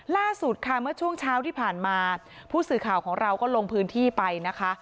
ล่าสุดค่ะเมื่อช่วงเช้าที่ผ่านมาผู้สื่อข่าวของเราก็ลงพื้นที่ไปนะคะ